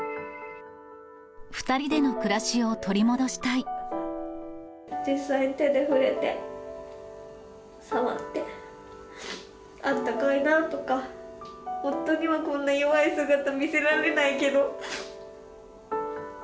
２人での暮らしを取り戻した実際手で触れて、触って、あったかいなとか、夫にはこんな弱い姿見せられないけど。